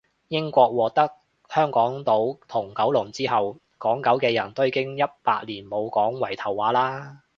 英國獲得香港島同九龍之後，港九嘅人都已經一百年冇講圍頭話喇